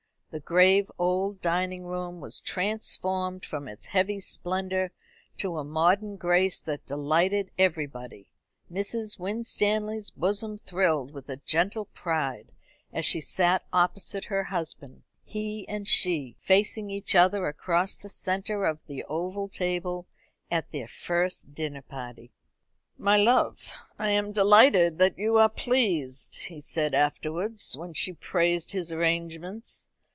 The grave old dining room was transformed from its heavy splendour to a modern grace that delighted everybody. Mrs. Winstanley's bosom thrilled with a gentle pride as she sat opposite her husband he and she facing each other across the centre of the oval table at their first dinner party. "My love, I am delighted that you are pleased," he said afterwards, when she praised his arrangements.